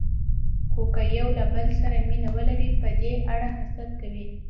خو که یو له بل سره مینه ولري، په دې اړه حسد کوي.